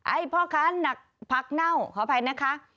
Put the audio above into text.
พ่อค้านักผักเน่าขออภัยนะคะ